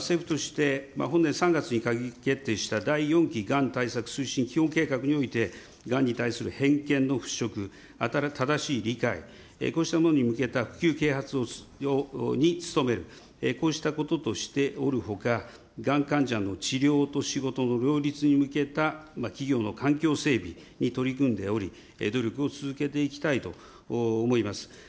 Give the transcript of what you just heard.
政府として本年３月に閣議決定した第４期がん対策推進基本計画において、がんに対する偏見の払拭、正しい理解、こうしたものに向けた普及啓発に努める、こうしたこととしておるほか、がん患者の治療と仕事の両立に向けた企業の環境整備に取り組んでおり、努力を続けていきたいと思います。